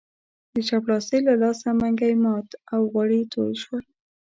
د چپړاسي له لاسه منګی مات او غوړي توی شول.